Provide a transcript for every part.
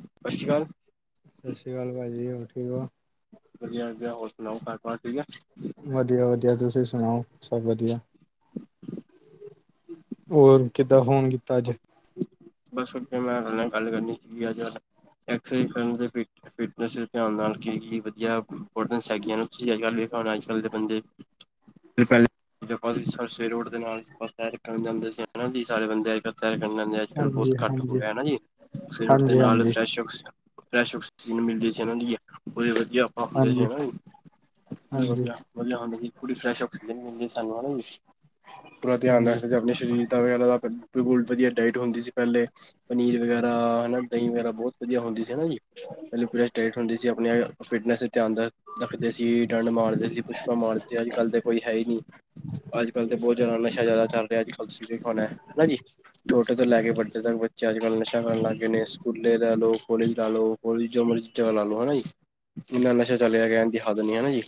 ਸਤਿ ਸ਼੍ਰੀ ਅਕਾਲ। ਸਤਿ ਸ਼੍ਰੀ ਅਕਾਲ ਭਾਜੀ ਹੋਰ ਠੀਕ ਵਧੀਆ ਵਧੀਆ ਹੋਰ ਸੁਣਾਓ ਘਰ ਠੀਕ ਹੈ। ਵਧੀਆ ਵਧੀਆ ਤੁਸੀਂ ਸੁਣਾਓ ਸਭ ਵਧੀਆ ਹੋਰ ਕਿੱਦਾਂ ਫੋਨ ਕੀਤਾ ਅੱਜ ਹੈ ਬਸ ਮੈਂ ਤੁਹਾਡੇ ਨਾਲ ਗੱਲ ਕਰਨੀ ਸੀ ਗੀ ਅੱਜ ਫਿਟਨਸ ਧਿਆਨ ਨਾਲ ਕੀ ਵਧੀਆ ਇਮਪੋਰਟੈਂਟਸ ਹੈਗੀਆਂ ਤੁਸੀਂ ਅੱਜ ਕੱਲ ਵੇਖਿਆ ਅੱਜ ਕੱਲ ਦੇ ਬੰਦੇ ਸਰਸੇ ਰੋਡ ਦੇ ਨਾਲ ਬੱਸ ਸਟੈਂਡ ਰੱਖਣ ਜਾਂਦੇ ਸੀ ਹਨਾ ਜੀ ਸਾਰੇ ਬੰਦੇ ਅੱਜ ਕੱਲ ਤਰ ਕਰ ਲੈਂਦੇ ਅੱਜ ਕੱਲ੍ਹ ਬਹੁਤ ਹਾਂਜੀ ਘੱਟ ਹੋ ਹਾਂਜੀ ਗਿਆ ਜੀ ਸਵੇਰ ਉੱਠਦੇ ਹਾਂਜੀ ਨਾਲ ਹਾਂਜੀ ਫਰੈਸ਼ ਫਰੈਸ਼ਕਸੀਜਨ ਮਿਲਦੀ ਸੀ ਇਹਨਾਂ ਦੀ ਉਹ ਵਧੀਆ ਆ ਹੁੰਦੇ ਜੀ ਹੈ ਹਾਂਜੀ ਨਾ ਹਾਂਜੀ ਜੀ ਵਧੀਆ ਹੁੰਦੀ ਜੀ ਪੂਰੀ ਫਰੈਸ਼ ਅਪ ਸਾਨੂੰ ਹਨਾ ਪੂਰਾ ਧਿਆਨ ਹਾਂਜੀ ਰੱਖਦੇ ਆਪਣੇ ਸਰੀਰ [inaudible] ਬਿਲੁਲ ਵਧੀਆ ਡਾਇਟ ਹੁੰਦੀ ਸੀ ਪਹਿਲੇ ਪਨੀਰ ਵਗੈਰਾ ਹਨਾ ਦਹੀਂ ਵਗੈਰਾ ਬਹੁਤ ਵਧੀਆ ਹੁੰਦੀ ਸੀ ਜੀ, ਪਹਿਲ ਪੂਰਾ ਸਟੇਟ ਹੁੰਦੀ ਸੀ ਆਪਣੀ ਫਿਟਨੈਸ ਤੇ ਧਿਆਨ ਦਾ ਰੱਖਦੇ ਸੀ ਡੰਡ ਮਾਰਦੇ ਸੀ ਪੁਸ਼ਕਾਂ ਮਾਰਦੇ ਸੀ ਅੱਜ ਕੱਲ੍ਹ ਤਾਂ ਕੋਈ ਹੈ ਹੀ ਨਹੀਂ ਅੱਜ ਕੱਲ੍ਹ ਤੇ ਬਹੁਤ ਜਾਿਆਣਾ ਨਸ਼ਾ ਜਿਆਦਾ ਚੱਲ ਰਿਹਾ ਅੱਜ ਕੱਲ ਤੁਸੀਂਖਾਉਣਾ ਹਨਾ ਜੀ ਛੋਟੇ ਤੋਂ ਲੈ ਕੇ ਵੱਡੇ ਤੱਕ ਬੱਚੇ ਅੱਜ ਕੱਲ੍ਹ ਨਸ਼ਾ ਕਰਨ ਲੱਗ ਗਏ ਨੇ ਸਕੂਲੇ ਲਾ ਲਓ ਕੋਲਜ ਲਾ ਲਓ ਹੋ ਜੋ ਮਰਜ਼ੀ ਚਲਾ ਲਾ ਲੋ ਹਨਾ ਜੀ ਇੰਨਾ ਨਸ਼ਾ ਚੱਲਿਆ ਦੀ ਹੱਦ ਨੀ ਹੈ ਜੀ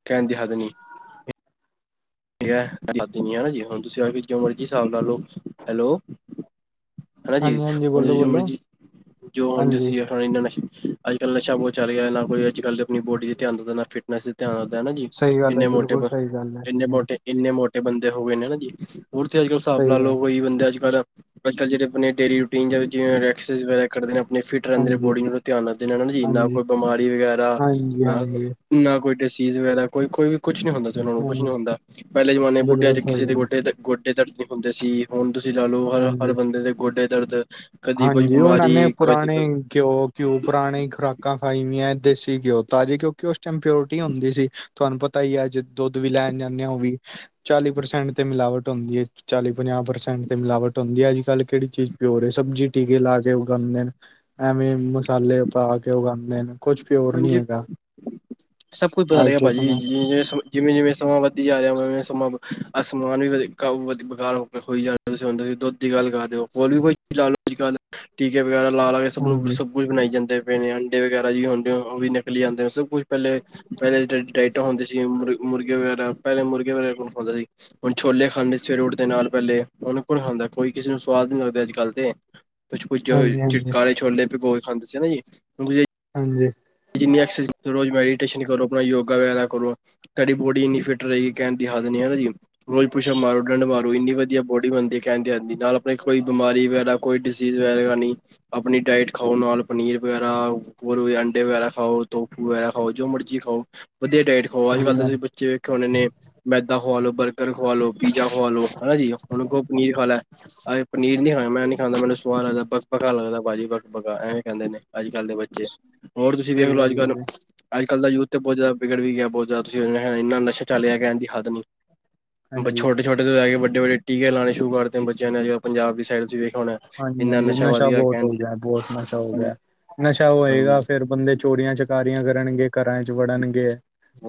[inaudible] ਠੀਕ ਨ ਹੈ ਜੀ ਹੁਣ ਤੁਸੀਂ ਆ ਕੇ ਜੋ ਮਰਜ਼ੀ ਹਿਸਾਬ ਲਾ ਲਓ ਹੈਲੋ ਹਨਾ ਜੀ ਹਾਂਜੀ ਹਾਂਜੀ ਹੁਣ ਬੋਲੋ ਤੁਸੀਂ ਜੋ ਬੋਲੋ ਮਰਜ਼ੀ ਜੋ ਹੁਣ ਹਾਂਜੀ ਦਸੀਂ ਅੱਜ ਕੱਲ ਨਸ਼ਾ ਬਹੁਤ ਚੱਲ ਗਿਆ ਨਾ ਕੋਈ ਅਜ ਕਲ ਆਪਣੀ ਬੋਡੀ ਦੇ ਧਿਆਨ ਦਿੰਦਾ ਨਾ ਫਿਟਨੈਸ ਧਿਆਨ ਰਹਿੰਦਾ ਹਨਾ ਜੀ ਸਹੀ ਗੱਲ ਹੈ ਇੰਨੇ ਮੋਟੇ ਬਿਲਕੁਲ ਸਹੀ ਗੱਲ ਹੈ ਇੰਨੇ ਮੋਟੇ ਇੰਨੇ ਮੋਟੇ ਬੰਦੇ ਹੋ ਗਏ ਨੇ ਹਨਾ ਜੀ ਹੋਰ ਤੇ ਅੱਜ ਕੱਲ੍ਹ ਸਾਬ ਸਹੀ ਲਾਲੋ ਲੋਕ ਗੱਲ ਹੋਈ ਬੰਦੇ ਅੱਜ ਕੱਲ੍ਹ ਅੱਜ ਕੱਲ ਜਿਹੜੇ ਆਪਣੇ ਡੇਲੀ ਰੂਟੀਨ ਜਾਂਵੇ ਦੇ ਨੇ ਆਪਣੇ ਫਿਟ ਰਹਿੰਦੇ ਨੇ ਹਾਂਜੀ ਬੋਡੀ ਨੂੰ ਧਿਆਨ ਰੱਖਦੇ ਨੇ ਹਨਾ ਜੀ ਨਾ ਹਾਂਜੀ ਕੋਈ ਬਿਮਾਰੀ ਵਗੈਰਾ ਹਾਂਜੀ ਨਾ ਹਾਂਜੀ ਨਾ ਕੋਈ ਡਿਸੀਜ਼ ਵਗੈਰਾ ਕੋਈ, ਕੋਈ ਵੀ ਕੁਛ ਨੀ ਹੁੰਦਾ ਸੀ। ਉਹਨਾਂ ਨੂੰ ਕੁੱਛ ਨੀ ਹਾਂਜੀ ਹੁੰਦਾ। ਪਹਿਲੇ ਜਮਾਨੇ ਬੁੱਢਿਆਂ ਬਿਲਕੁਲ ਚ ਕਿਸੇ ਸਹੀ ਦੇ ਗੱਲ ਗੋਡੇ- ਕਿੱਤੇ ਗੋਡੇ ਦਰਦ ਨੀ ਹੁੰਦੇ ਸੀ। ਹੁਣ ਤੁਸੀਂ ਲਾ ਲਓ। ਹਰ, ਹਰ ਹਾਂਜੀ ਬੰਦੇ ਦੇ ਗੋਡੇ ਦਰਦ- ਕਦੀ ਹਾਂਜੀ, ਕੋਈ ਜੀ ਉਹਨਾਂ ਨੇ ਬਿਮਾਰੀ ਕਦੀ ਪੁਰਾਣੇ ਕੋਈ ਘਿਓ -ਘਿਉ ਪੁਰਾਣੇ ਖੁਰਾਕ- ਖੁਰਾਕਾਂ ਖਾਈ ਦੀਆਂ। ਦੇਸੀ ਘਿਓ ਤਾਜ਼ੀ ਕਿਉਕਿ ਉਸ ਟਾਈਮ ਪਿਓਰਟੀ ਹੁੰਦੀ ਸੀ। ਤੁਹਾਨੂੰ ਪਤਾ ਹੀ ਅੱਜ ਦੁੱਧ ਵੀ ਲੈਣ ਜਾਂਦੇ ਹੋ। ਉਹ ਵੀ। ਚਾਲੀ ਪ੍ਰਸੈਂਟ ਤੇ ਮਿਲਾਵਟ ਹੁੰਦੀ ਹੈ। ਚਾਲੀ ਪੰਜਾਹ ਪ੍ਰਸੈਂਟ ਤੇ ਮਿਲਾਵਟ ਹੁੰਦੀ ਹੈ। ਅੱਜ ਕੱਲ੍ਹ ਕਿਹੜੀ ਚੀਜ਼ ਪਿਓਰ ਏ। ਸਬਜ਼ੀ ਟੀਕੇ ਲਾ ਕੇ ਉਗਾਉਂਦੇ ਨੇ, ਐਵੇਂ ਮਸਾਲੇ ਪਾ ਕੇ ਉਗਾਉਂਦੇ ਨੇ। ਕੁਛ ਪਿਓਰ ਨਹੀਂ ਹਾਂਜੀ, ਹੈਗਾ ਸਭ ਕੁਛ ਪਤਾ ਅੱਜ ਲਗਾ ਦੇ ਭਾਜੀ ਸਮੇਂ ਜਿਵੇਂ ਸਬ - ਜਿਵੇਂ, ਜਿਵੇਂ ਸਮਾਂ ਵੱਧਦੀ ਜਾ ਰਿਹਾ ਵੇ। ਸਮਾਂ ਆ ਸਮਾਨ ਵੀ ਵਧ ਵਕਾਓ, ਬੇਕਾਰਾਰ ਹੋ ਹੋਈ ਜਾ- ਤੁਹੀਂ ਦੁੱਧ ਦੀ ਗੱਲ ਕਰਦੇ ਹੋ। ਹੋਰ ਵੀ ਕੋਈ ਲਾਲ ਦੀ ਗੱਲ ਟੀਕੇ ਵਗੈਰਾ ਲਾ ਲਾ ਕੇ ਸਭ ਨੂੰ ਹਾਂਜੀ ਸਬ - ਕੁਛ ਬਣਾਈ ਜਾਂਦੇ, ਪਏ ਨੇ ਅੰਡੇ ਵਗੈਰਾ ਵੀ ਹੁਣ 'ਤੇ ਉਹ ਵੀ ਨਿਕਲੀ ਆਂਦੇ, ਸਭ ਕੁਛ- ਪਹਿਲੇ -ਪਹਿਲੇ ਡਾਇਟਾਂ ਹੁੰਦੀ ਸੀ। ਮੁਰਗੇ, ਮੁਰਗੇ ਵਗੈਰਾ, ਪਹਿਲੇ ਮੁਰਗੇ ਵਗੈਰਾ ਕੌਣ ਖਾਉਂਦਾ ਸੀ। ਹੁਣ ਛੋਲੇ ਖਾਂਦੇ ਸਵੇਰੇ ਉੱਠਦੇ ਨਾਲ ਪਹਿਲੇ, ਹੁਣ ਕੌਣ ਖਾਂਦਾ। ਕੋਈ ਕਿਸੇ ਨੂੰ ਸਵਾਦ ਨੀ ਲੱਗਦਾ। ਅੱਜ ਕੱਲ 'ਤੇ- ਕੁੱਛ ਪੁੱਜੇ ਹੋਏ ਹਾਂਜੀ ਚਿਟ- ਹਾਂਜੀ ਕਾਲੇ ਛੋਲੇ ਪਿਗੋ ਕੇ ਖਾਂਦੇ ਸੀ ਨਾ ਜੀ - ਹਾਂਜੀ ਜਿੰਨੀ ਐਕਰਸ ਰੋਜ਼ ਮੈਡੀਟੇਸ਼ਨ ਕਰੋ। ਆਪਣਾ ਯੋਗਾ ਵਗੈਰਾ ਕਰੋ। ਸਾਡੀ ਬੋਡੀ ਇੰਨੀ ਫਿੱਟ ਰਹੇਗੀ ਕਹਿਣ ਦੀ ਹੱਦ ਨਹੀ ਹੈਨਾ ਜੀ। ਰੋਜ਼ਪੂਸ਼ ਅੱਪ ਮਾਰੋ, ਡੰਡ ਮਾਰੋ। ਇੰਨੀ ਵਧੀਆ ਬੋਡੀ ਬਣਦੀ ਹੈ ਕਹਿੰਦੇ ਆ ਜਾਂਦੀ ਨਾਲ ਆਪਣੇ ਕੋਈ ਬਿਮਾਰੀ ਵਗੈਰਾ ਕੋਈ। ਚੀਜ਼ ਵੈਣੀ ਆਪਣੀ ਡਾਇਟ ਖਾਓ ਨਾਲ ਪਨੀਰ ਵਗੈਰਾ। [inaudible] ਜਿਵੇਂ ਸਹੀ ਗੱਲ ਕਿ ਉਹਨਾਂ ਨੇ ਮੈਦਾ ਖਵਾ ਲੋ, ਬਰਗਰ ਖਵਾ ਲੋ, ਪੀਜ਼ਾ ਖਵਾ ਲੋ। ਹਾਂ ਜੀ। ਉਹਨੂੰ ਕਹੋ ਪਨੀਰ ਖਾ ਲੈ। ਆ ਏ, ਪਨੀਰ ਨੀ ਖਾਣਾ, ਮੈਂ ਨੀ ਖਾਂਦਾ। ਮੈਨੂੰ ਸਵਾਦ ਏਦਾਂ ਬਕਬਕਾ ਲਗਦਾ। ਭਾਜੀ ਬਕ ਬਕਾ ਐਵੇਂ ਕਹਿੰਦੇ ਨੇ। ਅੱਜ ਕੱਲ੍ਹ ਦੇ ਬੱਚੇ। ਹੋਰ ਤੁਸੀਂ ਵੇਖ ਸਹੀ ਲੋ ਅੱਜ ਗੱਲ ਹੈ ਕੱਲ੍ਹ। ਜੀ ਅੱਜ ਕੱਲ ਦਾ ਯੂਥ ਨਮਤੇ ਬਹੁਤ ਜ਼ਿਆਦਾ ਵਿਗੜ ਵੀ ਗਿਆ। ਬਹੁਤ ਜ਼ਿਆਦਾ ਤੁਸੀਂ ਇੰਨਾ ਨਸ਼ਾ ਚੱਲ ਰਿਹਾ ਹੈ, ਕਹਿਣ ਦੀ ਹੱਦ ਨਹੀਂ। ਬਸ ਹਾਂਜੀ ਛੋਟੇ-ਛੋਟੇ ਤੋਂ ਲੈ ਕੇ ਵੱਡੇ- ਵੱਡੇ ਟੀਕੇ ਲਾਣੇ ਸ਼ੁਰੂ ਕਰਤੇ। ਬੱਚਿਆਂ ਨੇ ਅੱਜ-ਕੱਲ ਪੰਜਾਬ ਦੀ ਸਾਈਡ ਚ ਵੀ। ਹਾਂ ਜੀ ਹਾਂ ਜੀ ਨਸ਼ਾ ਬਹੁਤ ਹੋ ਗਿਆ। ਬਹੁਤ ਨਸ਼ਾ ਹੋ ਹੱਦ ਨਹੀਂ। ਗਿਆ। ਨਸ਼ਾ ਹੋਏਗਾ ਫੇਰ ਬੰਦੇ। ਚੋਰੀਆਂ ਚਕਾਰੀਆਂ ਕਰਨਗੇ। ਘਰਾਂ ਚ ਵੜਨਗੇ।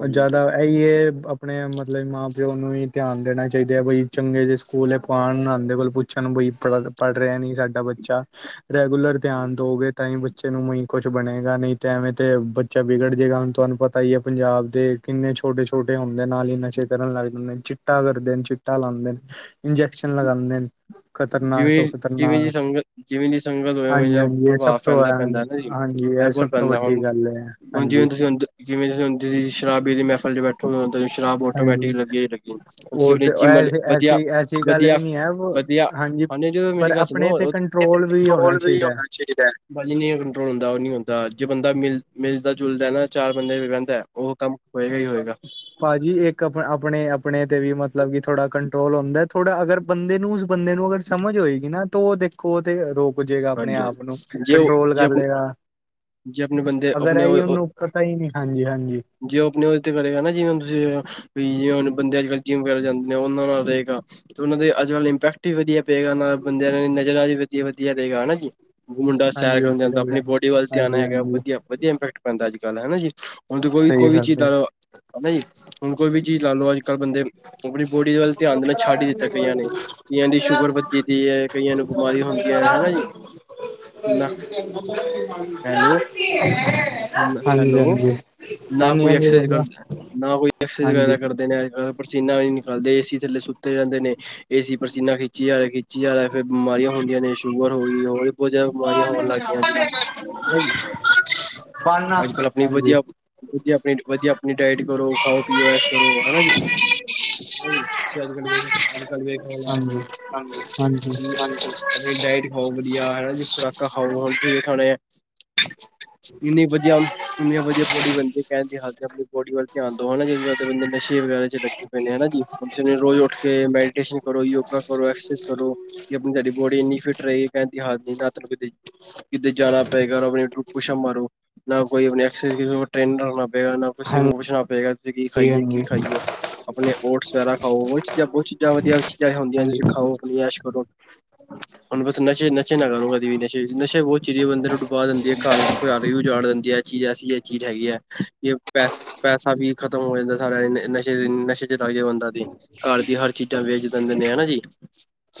ਉਹ ਜਿਆਦਾ। ਇਹੀ ਏ ਆਪਣੇ ਮਤਲਬ ਮਾਂ ਪਿਓ ਨੂੰ ਵੀ ਧਿਆਨ ਦੇਣਾ ਚਾਹੀਦਾ ਹੈ। ਬਈ ਚੰਗੇ ਜਿਹੇ ਸਕੂਲੇ ਪਾਣ ਨਾਦੇਬਲ ਪੂਲ। ਬੱਚਿਆਂ ਨੂੰ ਕੋਈ ਪੜ੍ਹ ਪੜ੍ਹ ਰਿਹਾ ਨੀ ਸਾਡਾ ਬੱਚਾ। ਰੈਗੂਲਰ ਧਿਆਨ ਦਓਗੇ ਤਾਂ ਹੀ ਬੱਚੇ ਨੂੰ ਉਹੀ ਕੁਝ ਬਣੇਗਾ ਨਹੀਂ ਤੇ ਐਵੇਂ ਤੇ ਬਚ। ਬੱਚਾ ਬਿਗੜ ਜੇਗਾ ਹੁਣ ਤੁਹਾਨੂੰ ਪਤਾ ਹੀ ਏ। ਪੰਜਾਬ ਦੇ ਕਿੰਨੇ ਛੋਟੇ ਛੋਟੇ ਹੁੰਦੇ ਨਾਲ ਹੀ ਨਸ਼ੇ ਕਰਨ ਲੱਗ ਜਾਂਦੇ ਹੁੰਦੇ ਨੇ ਚ। ਚਿੱਟਾ ਕਰਦੇ, ਚਿੱਟਾ ਲਾਂਂਦੇ ਨੇ ਇੰਜੈਕਸ਼ਨ ਲਗਾਉਂਦੇ। ਖਤਰਨਾਕ ਜਿਵੇਂ ਤੋਂ। ਜਿਵੇਂ ਖ਼ਤਰਨਾਕ ਦੀ ਸੰਗਤ ਜਿਵੇਂ ਦੀ ਸੰਗਤ ਹੋਵੇ, ਓਵੇਂ ਹਾਂਜੀ ਜਿਹਾ ਹਾਂਜੀ ਇਹ ਸਭ ਪ੍ਰਭਾਵ ਤੋਂ ਪੈਂਦਾ, ਪੈਂਦਾ ਹੈਨਾ ਜੀ ਹਾਂਜੀ ਇਹ ਪਰ। ਸਭ ਤੋਂ ਪੈਂਦਾ ਵੱਡੀ ਹੁਣ ਗੱਲ ਹੈ ਹੁਣ ਜਿਵੇਂ ਹਾਂਜੀ ਤੁਸੀਂ ਹੁਣ, ਜਿਵੇਂ ਤੁਸੀਂ ਸ਼ਰਾਬ ਦੀ ਮਹਿਫਲ ਚ ਬੈਠ। ਹੁਣ ਤੇ ਸ਼ਰਾਬ ਹਾਂਜੀ ਆਟੋਮੈਟਿਕ ਲੱਗੀ ਦੇਖੋ। ਉਹ ਸਿਵਲੇ ਤੇ ਜਿਮ ਵਾਲੇ ਵਧੀਆ ਵਧੀਆ ਵਧੀਆ। ਹਾਂ ਜੀ। ਹਾਂਜੀ [unintelligible] ਭਾਜੀ ਚਾਹੀਦਾ ਹੈ ਨਹੀਂ ਕੰਟਰੋਲ ਹੁੰਦਾ। ਉਹ ਨੀ ਹੁੰਦਾ। ਜੇ ਬੰਦਾ ਮਿਲ ਮਿਲਦਾ ਜੁਲਦਾ ਨਾ ਚਾਰ ਬੰਦਿਆਂ ਚ ਬਹਿੰਦਾ। ਉਹ ਕੰਮ ਹੋਏਗਾ ਹੀ ਹੋਏਗਾ। ਭਾਜੀ ਇੱਕ ਆਪਣੇ-ਆਪਣੇ ਤੇ ਵੀ ਮਤਲਬ ਕਿ ਥੋੜਾ ਕੰਟਰੋਲ ਹੁੰਦਾ। ਥੋੜਾ ਅਗਰ ਬੰਦੇ ਨੂੰ। ਬੰਦੇ ਨੂੰ ਅਗਰ ਸਮਝ ਹੋਏਗੀ ਨਾ ਤਾਂ ਉਹ ਦੇਖੋ ਉਹ 'ਤੇ ਰੋਕ। ਪੁੱਜੇਗਾ। ਆਪਣੇ ਹਾਂਜੀ ਆਪ ਨੂੰ ਹਾਂਜੀ ਜੇ ਕੰਟਰੋਲ ਜੇ ਕਰ ਆਪਣੇ ਲਏਗਾ। ਜੇ ਆਪਣੇ ਬੰਦੇ ਅਗਰ ਆਈ ਆਪਣੇ ਉਹਨੂੰ ਪਤਾ ਹੀ ਨਹੀਂ। ਹਾਂ ਜੀ, ਹਾਂ ਜੀ। ਜੇ ਉਹ ਆਪਣੇ ਉਹਦੇ ਤੇ ਕਰੇਗਾ, ਨਾ ਜਿਵੇਂ ਹੁਣ ਤੁਸੀਂ ਵੀ। ਜਿਵੇਂ ਬੰਦੇ ਅੱਜ ਕੱਲ ਜਿੰਮ ਵਗੈਰਾ ਜਾਂਦੇ ਨੇ, ਉਹਨਾਂ ਨਾਲ ਰਹੇਗਾ। 'ਤੇ ਉਹਨਾਂ ਦੇ ਅੱਜ ਕੱਲ ਇੰਪੈਕਟ ਵੀ ਵਧੀਆ ਪਏਗਾ। ਬੰਦਿਆਂ ਦੀ ਨਜ਼ਰਾਂ ਵੀ ਵਧੀਆ। ਤੇ ਗਾਣਾ ਜੀ ਮੁੰਡਾ ਸੈਰ ਹਾਂਜੀ ਉਹ ਕਰਨ ਤੇ ਜਾਂਦਾ। ਗੱਲ ਆਪਣੀ ਹੈ ਬੋਡੀ ਵੱਲ ਧਿਆਨ ਹਾਂਜੀ ਹੈਗਾ ਹਾਂਜੀ ਵਧੀਆ। ਵਧੀਆ ਇਪੈਕਟ ਪੈਂਦਾ ਅੱਜ ਕੱਲ ਹੈਨਾ ਜੀ, ਹੁਣ ਦੇਖੋ ਜੀ ਸਹੀ ਕੋਈ ਵੀ ਚੀਜ਼ ਗੱਲ ਦਾ। ਓ ਬਾਈ, ਹੁਣ ਕੋਈ ਵੀ ਚੀਜ਼ ਲਾ ਲੋ। ਕੱਲ੍ਹ ਬੰਦੇ ਆਪਣੀ ਬੋਡੀ ਵੱਲ ਧਿਆਨ ਦੇਣਾ ਛੱਡ ਹੀ ਦਿੱਤਾ ਕਈਆਂ ਨੇ। ਕਈਆਂ ਦੀ ਸ਼ੂਗਰ ਵੱਧਦੀ ਪਈ ਹੈ। ਕਈਆਂ ਨੂੰ ਬਿਮਾਰੀਆਂ ਹੁੰਦੀਆਂ ਏ। [inaudible] [unintelligible] ਹੈਲੋ ਹੈਲੋ ਹਾਂਜੀ-ਹਾਂਜੀ। ਨਾ ਕੋਈ ਐਕਸਰਸਾਈਜ਼ ਕਰਦ, ਨਾ ਕੋਈ ਐਕਸਰਸਾਈਜ਼ ਵਗੈਰਾ ਹਾਂਜੀ ਕਰਦੇ ਨੇ, ਅੱਜ-ਕੱਲ ਪਸੀਨਾ ਵੀ ਨਿਕਾਲਦੇ, ਏਸੀ ਥੱਲੇ ਸੁੱਤੇ ਰਹਿੰਦੇ ਨੇ। ਏਸੀ ਪਸੀਨਾ ਖਿੱਚੀ ਜਾ ਰਿਹਾ, ਖਿੱਚੀ ਜਾ ਰਿਹਾ, ਫਿਰ ਬਿਮਾਰੀਆਂ ਹੁੰਦੀਆਂ ਨੇ, ਸ਼ੂਗਰ ਹੋ ਗਈ ਹੋਰ ਬਹੁਤ ਜਿਆਦਾ ਬਿਮਾਰੀਆਂ ਹੋਣ ਲੱਗ ਗਈਆਂ ਸੀ। ਪੜਨਾ ਅੱਜ ਕੱਲ ਆਪਣੀ ਹਾਂਜੀ ਵਧੀਆ। ਵਧੀਆ। ਆਪਣੀ ਵਧੀਆ ਆਪਣੀ ਡਾਇਟ ਕਰੋ। ਖਾਓ ਪੀਓ ਐਸ਼ ਕਰੋ ਹੈਨਾ ਜੀ। ਹਾਂਜੀ ਨਹੀਂ ਤੁਸੀਂ ਅੱਜ ਕੱਲ ਵੇਖ। ਅੱਜ ਕੱਲ ਵੇਖ। ਹਾਂਜੀ ਹਾਂਜੀ ਡਾਇਟ ਖਾਓ ਵਧੀਆ ਹੈਨਾ ਜ ਖੁਰਾਕਾਂ ਖਾਓ ਹੁਣ ਖਾਣੇ ਆ [inaudible] ਇੰਨੀਆਂ ਵਧੀਆ ਬੋਡੀ ਬਦੇ ਕਹਿੰਦੇ ਹੁੰਦੇ। ਆਪ ਬੋਡੀ ਵੱਲ ਧਿਆਨ ਦਿਉ ਹੈਨਾ ਜਿਦੇ ਬੰਦੇ ਨਸ਼ੇ ਵਗੈਰਾ ਚ ਲੱਗੇ। ਹਨਾ ਜਿਵੇਂ ਰੋਜ਼ ਉੱਠ ਕੇ ਮੈਡੀਟੇਸ਼ਨ ਕਰੋ, ਯੋਗਾ ਕਰੋ ਐਕਸਰਸੀਜ ਕਰੋ। ਕਿ ਆਪਣੀ ਸਾਡੀ ਬੋਡੀ ਇੰਨੀ ਫਿੱਟ ਰਹੇਗੀ ਕਿ ਦੀ ਹਾਲਤ ਨਹੀਂ। ਕਿਤੇ ਜਾਣਾ ਪੈ ਗਿਆ। ਔਰ ਆਪਣੇ ਤੇ ਪੁੱਛ ਅੱਪ ਮਾਰੋ। ਨਾ ਕੋਈ ਐਕਸਰਸਾਈਜ਼ ਟ੍ਰੇਨਰ ਰੱਖਣਾ ਪਏਗਾ। ਨਾ ਕਿਸੇ ਕੋ ਪੁੱਛਣਾ ਪਏਗਾ। ਕੀ ਖਾਈਏ, ਕੀ ਹਾਂਜੀ ਖਾਈਏ, ਆਪਣੇ ਓਟਸ ਵਗੈਰਾ ਖਾਓ। ਉਹ ਚੀਜ਼ਾਂ ਬਹੁਤ ਚੀਜ਼ਾਂ ਵਧੀਆ ਵਿੱਚ - ਹੁੰਦੀਆਂ, ਤੁਸੀਂ ਹਾਂਜੀ ਖਾਉ -ਪਿਉ ਐਸ਼ ਕਰੋ। ਹੁਣ ਬਸ, ਨਸ਼ੇ-ਨਸ਼ੇ ਨਾ ਕਰੋ, ਕਦੇ ਵੀ ਨਸ਼ੇ, ਨਸ਼ੇ ਉਹ ਚੀਜ਼ ਏ, ਬੰਦੇ ਨੂੰ ਡੁਬਾ ਦਿੰਦੀ ਏ, ਘਰ ਉਹ ਘਾਰ ਵੀ ਉਜਾੜ ਦਿੰਦੀ ਹੈ, ਇਹ ਚੀਜ਼ ਐਸੀ, ਇਹ ਚੀਜ਼ ਹੈਗੀ ਏ। ਯੇ, ਪੈ ਪੈਸਾ ਵੀ ਖਤਮ ਹੋ ਜਾਂਦਾ ਸਾਡਾ, ਨਸ਼ੇ-ਨਸ਼ੇ'ਚ ਲਗਦੇ ਬੰਦਾ ਤੇ। ਘਰ ਦੀ ਹਰ ਚੀਜ਼ਾਂ ਵੇਚ ਦਿੰਦੇ ਨੇ, ਹਨਾ ਜੀ।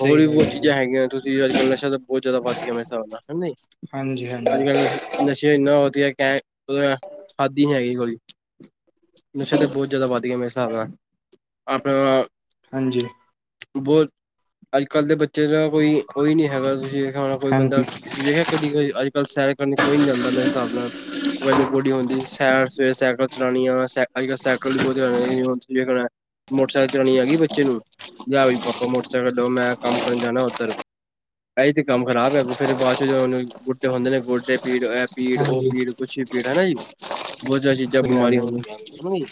ਹੋਰ ਵੀ, ਗੱਲ ਬਹੁਤ ਹੈ ਚੀਜ਼ਾਂ ਹੈਗੀਆਂ ਤੁਸੀਂ ਅੱਜ-ਕੱਲ ਨਸ਼ਾ ਤਾਂ ਬਹੁਤ ਜਿਆਦਾ ਵੱਧ ਗਿਆ, ਮੇਰੇ ਹਿਸਾਬ ਨਾਲ ਹਨਾ। ਜੀ ਹਾਂਜੀ ਹਾਂਜੀ ਅੱਜ-ਕੱਲ ਨਸ਼ੇ ਇੰਨਾ ਹੋ, ਹੈ ਕੈ, ਹਾੱਦੀ ਨੀ ਹੈਗੀ ਕੋਈ। ਨਸ਼ੇ ਤਾਂ ਬਹੁਤ ਜ਼ਿਆਦਾ ਵੱਧ ਗਿਆ ਮੇਰੇ ਹਿਸਾਬ ਨਾਲ, ਆਪਣਾ ਹਾਂਜੀ। ਬਹੁ ਅੱਜ-ਕੱਲ੍ਹ ਦੇ ਬੱਚੇ ਦਾ ਕੋਈ, ਉਹੀ ਨਹੀਂ ਹੈਗਾ, ਤੁਸੀ ਮੇਰੇ ਹਿਸਾਬ ਨਾਲ ਕੋਈ ਬੰਦਾ ਹਾਂਜੀ ਤੁਸੀਂ ਵੇਖਿਆ ਘਈ ਅੱਜ-ਕੱਲ ਸੈਰ ਕਰਨ ਕੋਈ ਨੀ ਜਾਂਦਾ, ਮੇਰੇ ਹਿਸਾਬ ਨਾਲ। ਬੋਡੀ ਹੁੰਦੀ ਸੈਰ, ਸਵੇਰੇ ਸਾਈਕਲ ਚਲਾਣੀਆਂ ਅੱਜ-ਕੱਲ ਸਾਈਕਲ ਬਹੁਤ ਮੋਟਰਸਾਈਕਲ ਚਲਾਉਣੀ ਹੈਗੀ ਬੱਚੇ ਨੂੰ, ਲਿਆ ਵੀ ਪਾਪਾ ਮੋਟਰਸਾਈਕਲ ਦੋ, ਮੈਂ, ਕੰਮ ਕਰਨ ਜਾਣਾ ਉੱਧਰ ਇਹਹੀ ਤੇ ਕੰਮ ਖ਼ਰਾਬ ਹੈ, ਫੇਰ ਬਾਅਦ'ਚ ਗੁੱਟੇ ਹੁੰਦੇ ਨੇ, ਗੋਡੇ ਪੀੜ, ਇਹ ਪੀੜ, ਉਹ ਹਾਂਜੀ ਪੀੜ ਕੁਛ ਵੀ ਭੀੜ ਹਨਾ ਜੀ। ਬਹੁਤਿਆ ਚੀਜ਼ਾਂ ਸਹੀ ਗੱਲ ਬਿਮਾਰੀਆਂ ਹੈ ਜੀ ਹੁੰਦੀਆਂ ਨੇ, ਹਨਾ ਜੀ।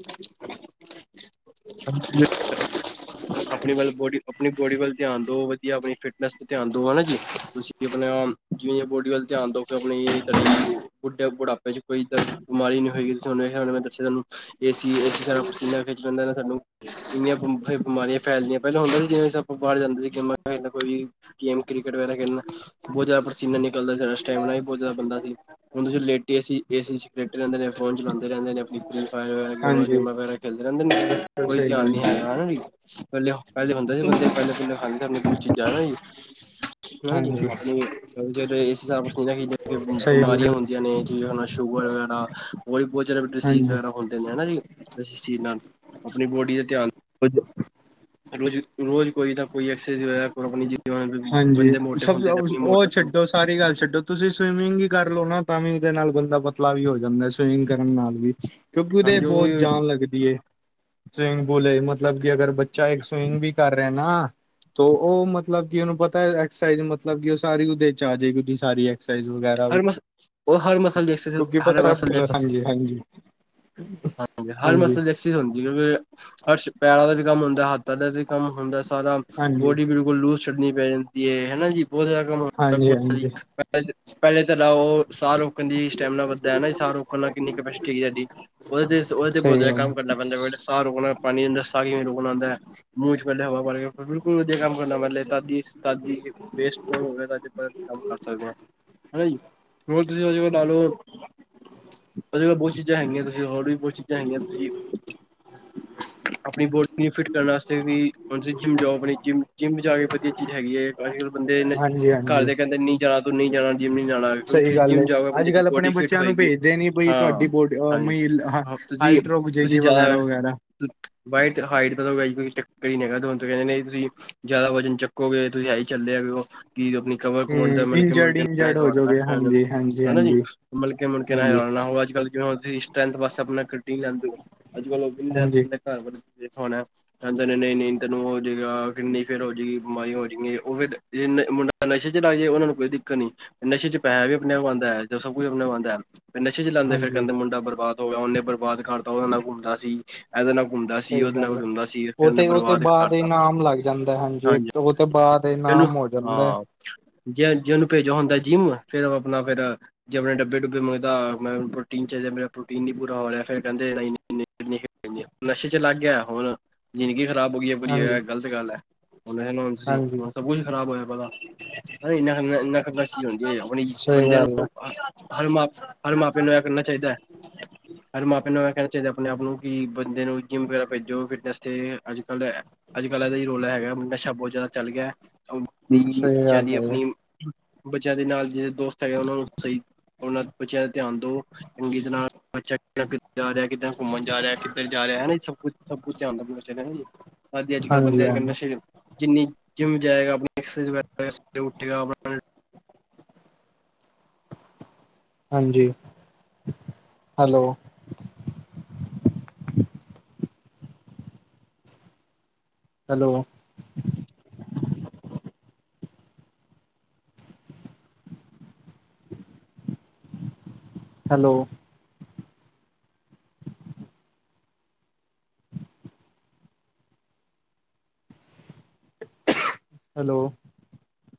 ਹ [unintelligible] ਆਪਣੀ ਵੱਲ, ਬੋਡੀ, ਆਪਣੀ ਬੋਡੀ ਵੱਲ ਧਿਆਨ ਦੋ, ਵਧੀਆ ਆਪਣੀ ਫਿਟਨੈਸ ਧਿਆਨ ਦੋ, ਹਨਾ ਜੀ। ਤੁਸੀਂ ਆਪਣਾ ਜਿਵੇਂ ਬੋਡੀ ਵੱਲ ਧਿਆਨ ਦੋਂਗੇ ਕਿ ਆਪਣੀ ਤੁਹਾਡੀ ਬੁਡੁ ਵਿੱਚ ਕੋਈ ਬਿਮਾਰੀ ਨਹੀਂ ਹੋਈਗੀ, ਤੁਹਾਨੂੰ ਇਹ ਮ ਦੱਸਿਆ ਤੁਹਾਨੂੰ ਏਸੀ, ਏਸੀ ਸਾਡਾ ਪਸੀਨਾ ਖਿੱਚ ਲੇਂਦਾ ਨਾ, ਸਾਨੂੰ ਏਨੀਆਂ ਬਿਮਾਰੀਆਂ ਫੈਲਦੀਆਂ, ਪਹਿਲਾਂ ਹੁੰਦਾ ਸੀ, ਜਿਵੇਂ, ਆਪਾਂ ਬਾਹਰ ਜਾਂਦੇ ਸੀ ਗੇਮਾਂ ਖੇਲਣਾ ਕੋਈ ਵੀ ਗੇਮ ਕ੍ਰਿਕਟ ਵਗੈਰਾ ਖੇਡਣਾ, ਬਹੁਤ ਜ਼ਿਆਦਾ ਪਸੀਨਾ ਨਿਕਲਦਾ ਸਟੈਮਨਾ ਵੀ ਬਹੁਤ ਜ਼ਿਆਦਾ ਬਨਦਾ ਸੀ। ਹੁਣ ਤੁਸੀਂ ਲੇਟੇ, ਏਸੀ'ਚ ਰਹਿੰਦੇ ਨੇ, ਫੋਨ ਚਲਾਉਂਦੇ ਰਹਿੰਦੇ ਨੇ, ਆਪਣੀ ਫ੍ਰੀ ਫਾਇਰੇ ਗੇਮਾਂ, ਹਾਂਜੀ ਗੇਮਾਂ ਵਗੈਰਾ ਖੇਲਦੇ ਰਹਿੰਦੇ ਨੇ, ਕੋਈ ਸਹੀ ਧਿਆਨ ਗੱਲ ਨੀ ਹੈਗਾ ਹਨਾ ਪਹਿਲੇ, ਪਹਿਲੇ ਹੁੰਦਾ ਸੀ, ਬੰਦੇ ਪਹਿਲੇ-ਪਹਿਲੇ ਖਾਂਦੇ ਸੀ, ਆਪਣੀ ਕੁਛ ਚੀਜ਼ਾਂ ਨਾ ਜੀ। ਹਨਾ ਜੀ, ਹਾਂਜੀ ਆਪਣੀ ਜ ਇਸ ਹਿਸਾਬ ਨਾ ਸਹੀ ਬਿਮਾਰੀਆਂ ਗੱਲ ਹੁੰਦੀਆਂ ਨੇ, ਜਿਵੇਂ ਸ਼ੂਗਰ ਵਗੈਰਾ ਹੋਰ ਵੀ, ਬਹੁਤ ਜਿਆ ਡਿਸੀਜ਼ ਹਾਂਜੀ ਵਗੈਰਾ ਹੁੰਦੀ ਹਨਾ ਜੀ, ਅ ਨਾਲ ਆਪਣੀ ਬੋਡੀ ਦਾ ਧਿਆਨ ਰੋਜ਼, ਰੋਜ਼ ਕੋਈ ਤਾਂ ਕੋਈ ਐਕਸਰਸਾਈਜ਼ ਆਪਣੀ ਜੀਵਨ ਹਾਂਜੀ। ਬੰਦੇ ਮੋਟੇ ਸਭ ਹੁੰਦੇ ਨੇ ਆਪਣੇ ਉਹ ਮੋਟੇ ਹੁੰਦੇ ਛੱਡੋ, ਸਾਰੀ ਗੱਲ ਛੱਡੋ ਤੁਸੀਂ ਸਵੀਮਿੰਗ ਹੀ ਕਰ ਲਓ ਨਾ, ਤਾਂ ਵੀ ਉਹਦੇ ਨਾਲ ਬੰਦਾ ਪਤਲਾ ਵੀ ਹੋ ਜਾਂਦਾ, ਸਵੀਮਿੰਗ ਕਰਨ ਨਾਲ ਵੀ ਕਿਉਂਕਿ, ਉਹਦੇ ਹਾਂਜੀ ਬਹੁਤ ਉਹ ਜਾਨ ਲੱਗਦੀ ਏ, ਸਵੀਮਿੰਗ ਪੂਲ ਮਤਲਬ ਕਿ, ਅਗਰ ਬ ਚਾਏ ਸਵਿਮਿੰਗ ਵੀ ਕਰ ਰਹੇ ਨਾ, ਤੋ, ਉਹ ਮਤਲਬ ਕਿ, ਉਹਨੂੰ ਪਤਾ ਐਕਸਰਸਾਈਜ਼ ਮਤਲਬ ਉਹ ਸਾਰੀ ਉਹਦੇ'ਚ ਆ ਜਾਏਗੀ। ਸਾਰੀ ਐਕਸਾਈਜ਼ ਵਗੈਰਾ ਵੀ ਹਰ ਮਸ ਉਹ ਹਰ ਮਸਲ ਦੀ ਐਕਸੀ ਕਿਉਂਕਿ ਹਰ ਪਤਾ ਹੈ। ਮਸਲ ਦੀ ਐਕਸਸ ਹਾਂਜੀ ਹਾਂਜੀ ਹਾਂਜੀ, ਹਰ ਮਸਲ ਦੇ ਹ ਕਿਉਂਕਿ, ਹਰ ਪੈਰਾਂ ਦਾ ਵੀ ਕੰਮ ਹੁੰਦਾ, ਹੱਥਾ ਦਾ ਵੀ ਕੰਮ ਹੁੰਦਾ, ਸਾਰਾ ਹਾਂਜੀ ਬੋਡੀ ਬਿਲ ਲੂਜ ਛੱਡਨੀ ਪੈ ਜਾਂਦੀ ਹੈ, ਹਨਾ ਜੀ, ਬਹੁਤ ਜ਼ਿਆਦਾ ਕੰਮ ਹਾਂਜੀ ਹਾਂਜੀ ਪਹਿਲੇ ਤਾਂ ਨਾ ਉਹ ਸਾਹ ਰੋਕਣ ਦੀ ਸਟੈਮਨਾ ਵੱਧਦਾ ਹੈ ਨਾ, ਸਾਹ ਰੋਕਣ ਨਾਲ ਕਿੰਨੀ ਕੈਪਸਟੀ ਇਹਦੀ? ਉਹਦੇ ਤੇ, ਓਹਦੇ ਤੇ, ਸਹੀ ਬਹੁਤ ਜਿਆਦਾ ਗੱਲ ਕੰਮ ਕਰਨਾ ਪੈਂਦਾ ਬੇਟੇ ਸਾਹ ਰੋਕਣਾ, ਪਾਣੀ ਅੰਦਰ ਸਾਹ ਕਿਵੇਂ ਰੋਕਣਾ ਹੁੰਦਾ। ਮੂੰਹ'ਚ ਪਹਲੇ ਹਵਾ ਪਰ ਕੇ, ਬਿਲਕੁਲ ਵਧੀਆ ਕੰਮ ਕਰਨਾ ਪੈਂਦਾ, ਤਦੀ, ਤਦ ਇ ਵੇਸਟ ਨਾ ਹੋਵੇ ਤਾਂ, ਕਿਦਾ ਕੰਮ ਕਰ ਸਕਦੇ ਹਾਂ। ਹਨਾ ਜੀ, ਬਲ ਤੁਸੀਂ ਵਜ ਲ ਲੋ [unintelligible] ਓਹਦੇ ਕੋਲ ਬਹੁਤ ਚੀਜ਼ਾਂ ਹੈਗੀਆਂ, ਤੁਸੀਂ ਹੋਰ ਵੀ, ਬਹੁਤ ਚੀਜ਼ਾਂ ਹੈਗੀਆਂ ਤੁਸੀਂ ਆਪਣੀ ਬੋਡੀ ਨੂੰ ਫਿਟ ਕਰਨ ਵਾਸਤੇ ਵੀ, ਹੁਣ ਤੁਸੀ ਜਿੰਮ ਜਾਓ, ਆਪਣੀ ਜਿਮ, ਜਿੰਮ ਜਾਕੇ ਵਧੀਆ ਚੀਜ਼ ਹੈਗੀ ਹੈ। ਅੱਜ- ਕੱਲ ਬੰਦੇ ਇਨੇ, ਹਾਂਜੀ ਹਾਂਜੀ ਘਰਦੇ ਕਹਿੰਦੇ ਨਹੀਂ ਜਾਣਾ, ਤੂੰ ਨਹੀਂ ਜਾਣਾ ਜਿਮ ਨੀ ਜਾਣਾ ਸਹੀ ਤੁਸੀਂ ਗੱਲ ਜਿੰਮ ਏ ਜਾਓਗੇ, ਆਪਣੀ ਅੱਜ ਜੇੜੀ ਕੱਲ੍ਹ ਆਪਣੇ ਬੋਡੀ ਫਿਟ ਬੱਚਿਆਂ ਨੂੰ ਹੋਏਗੀ, ਭੇਜਦੇ ਨੀ ਬਈ ਹਾਂ ਤੁਹਾਡੀ ਬੋਡੀ ਹਾਂਜੀ। ਤੁਸੀਂ ਹਾਈਟ ਰੁਕ ਜਾਏਗੀ ਤੁਸੀਂ ਚਲਾ ਵਗੈਰਾ ਹੋ ਵਗੈਰਾ [unintelligible] ਭਾਈ ਹਾਈਟ ਦਾ ਤਾਂ ਵੈਸੇ ਵੀ ਕੋਈ ਚੱਕਰ ਹੀ ਨਹੀਂ ਹੈਗਾ, ਤੁਹਾਨੂੰ ਕਹਿੰਦੇ ਨੇ ਤੁਸੀਂ? ਜਿਆਦਾ ਵਜਨ ਚੱਕੋਗੇ, ਤੁਸੀਂ ਇਹੀ ਝਲਲੇ ਹੈਗੇ ਹੋ? ਕਿ ਆਪਣੀ ਕਮਰ- ਕੁਮਰ ਦੇ ਹਮ ਮਨਕੇ ਇੰਜਰਡ ਮੁਨਕੇ ਇੰਜਰਡ ਹੋ ਰੋਲਣਾ ਜਾਓਗੇ ਹੈਨਾ ਹਾਂਜੀ ਹਾਂਜੀ ਜੀ। ਹਾਂਜੀ ਮਣਕੇ- ਮੁਣਕੇ ਨਾ ਹਾਂਜੀ ਹਿਲਾ ਲੇਣਾ, ਉਹ ਅੱਜ ਕੱਲ ਜ ਸ ਵ ਆਪਣਾਟੀ ਲੈਂਦੇ ਹੋ ਅੱਜ ਕੱਲ ਉਹ ਵੀ ਲ ਹਾਂਜੀ [unintelligible] ਕਹਿੰਦੇ ਨਹੀਂ- ਨਹੀਂ ਤੈਨੂੰ ਹੋ ਜਾਏਗਾ। ਕਿੰਨੀ ਫਿਰ ਹੋ ਜਾਏਗੀ, ਬਿਮਾਰੀਆਂ ਹੋ ਜਾਣਗੀ, ਉਹ ਫਿਰ ਮੁੰਡਾ, ਤਾਂ ਨਸ਼ੇ ਚ ਲੱਗ ਜਾਏ, ਉਹਨਾਂ ਨੂੰ ਕੋਈ? ਨਸ਼ੇ ਚ ਪੈਸਾ ਵੀ, ਆਪਣੇ ਆਪ ਆਉਂਦਾ ਹੈ, ਸਭ ਕੁੱਝ ਆਪਣੇ ਆਪ ਆਉਂਦਾ ਹੈ, ਨਸ਼ੇ ਚ ਲਗਦੇ ਫਿਰ ਹਾਂਜੀ ਕਹਿੰਦੇ ਮੁੰਡਾ ਬਰਬਾਦ। ਹੋ ਗਿਆ, ਉਹਨੇ ਬਰਬਾਦ ਕਰਤਾ, ਉਹਦੇ ਨਾਲ ਘੁੰਮਦਾ ਸੀ। ਇਹਦੇ ਨਾਲ ਘੁੰਮਦਾ ਸੀ ਸਹੀ ਉਹਦੇ ਨਾਲ ਗੱਲ ਹੈ, ਘੁੰਮਦਾ ਸੀ ਫਿਰ ਉਹ ਉਹਨੇ ਤੇ ਉਹ ਤੇ ਬਰਬਾਦ ਬਾਅਦ ਇਹ ਕਰਤਾ ਨਾਮ ਲੱਗ ਜਾਂਦਾ। ਹਾਂਜੀ ਉਹ ਤੋਂ ਬਾਅਦ ਇ ਇਹਨੂੰ ਨਾਮ ਹੋ ਜਾਂਦਾ ਹੈ। ਹਾਂ ਜੇ ਜਿਹਨੂੰ ਭੇਜਿਆ ਹੁੰਦਾ। ਜਿੰਮ, ਫਿਰ ਆਪਣਾ ਫਿਰ ਜੇ ਆਪਣੇ ਡੱਬੇ- ਡੁੱਬੇ ਮੰਗਦਾ, ਮੈਨੂੰ ਪ੍ਰੋਟੀਨ ਚਾਹੀਦਾ, ਮੇਰਾ ਪ੍ਰੋਟੀਨ ਨਹੀ ਪੂਰਾ ਹੋ ਰਿਹਾ। ਫਿਰ ਕਹਿੰਦੇ ਕਿਨ੍ਹੀ ਕੁ ਪਈ, ਨਸ਼ੇ ਚ ਲੱਗ ਗਿਆ। ਹੁਣ? ਜ਼ਿੰਦਗੀ ਖ਼ਰਾਬ ਹੋ, ਗਈ ਹੈ। ਆਪਣੀ ਹਾਂਜੀ ਇਹ ਗ਼ਲਤ ਗੱਲ ਹੈ। ਤੁਸੀਂ, ਹਾਂਜੀ ਹੁਣ ਸਭ ਕੁਛ ਖ਼ਰਾਬ ਹੋਇਆ ਪਿਆ ਓਦਾਂ। ਇਹਨਾਂ? ਸਹੀ ਗੱਲ ਹੈ। ਅਹ, ਹਰ ਮਾਂ ਹਾਂ ਹਰ ਮਾਪੇ ਨੂੰ ਇਹ ਕਰਨਾ ਚਾਹੀਦਾ ਹੈ [unintelligible] ਹਰ ਮਾਂਪਿਆਂ ਨੂੰ ਇਹ ਕਹਿਣਾ ਚਾਹੀਦਾ, ਆਪਣੇ ਆਪ ਨੂੰ- ਕਿ ਬੰਦੇ ਨੂੰ ਜਿੰਮ ਵਗੈਰਾ, ਭੇਜੋ ਫਿਟਨੈਸ ਤੇ। ਅੱਜ ਕੱਲ੍ਹ ਐ ਅੱਜ ਕੱਲ੍ਹ ਇਹਦਾ ਹੀ ਰੌਲਾ ਹੈਗਾ? ਨਸ਼ਾ ਬਹੁਤ ਜ਼ਿਆਦਾ ਚੱਲ ਗਿਆ। ਨਹੀਂ ਵੀਰੇ ਸਹੀ ਗੱਲ ਚਲਦੀ ਹੈ ਆਪਣੀ [unintelligible] ਬੱਚਿਆਂ ਦੇ ਨਾਲ ਜਿਹੜੇ ਦੋਸਤ ਹੈਗੇ। ਉਹਨਾਂ ਨੂੰ ਸਹੀ- ਉਹਨਾਂ ਬੱਚਿਆਂ ਦਾ ਧਿਆਨ ਦਿਓ, ਚੰਗੀ ਤਰਾ। ਬੱਚਾ ਕਿੱਦਾਂ ਕਿੱਧਰ ਜਾ ਰਿਹਾ, ਕਿੱਦਾਂ ਘੁੰਮਣ ਜਾ ਰਿਹਾ, ਕਿੱਧਰ ਜਾ ਰਿਹਾ, ਹੈਨਾ ਜੀ ਸਭ ਕੁੱਛ? ਸਭ ਕੁੱਝ ਧਿਆਨ ਦੋ ਆਪਣੇ ਬੱਚੇ ਦਾ ਨਾਂ ਜੀ, ਹਾਂਜੀ, ਅੱਜ ਕੱਲ ਬੰਦਿਆਂ ਅੱਜ ਕੱਲ ਨਸ਼ੇ? ਜਿੰਨੀ ਜਿੰਮ ਜਾਏਗਾ, ਆਪਣੀ ਐਕਸਰਸਾਈਜ਼ ਵਗ਼ੈਰਾ ਕਰੇਗ, ਸਵੇਰੇ ਉਠੇਗਾ, ਆਪਣਾ। ਹਾਂਜੀ! ਹੈਲੋ? ਹੈਲੋ? ਹੈਲੋ? ਹੈਲੋ?